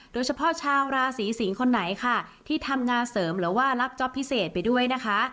โดยเฉพาะชาวราศีสิงศ์คนไหนค่ะที่ทำงานเสริมหรือว่ารับจ๊อปพิเศษไปด้วยนะคะ